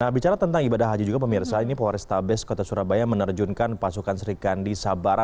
nah bicara tentang ibadah haji juga pemirsa ini polrestabes kota surabaya menerjunkan pasukan serikandi sabara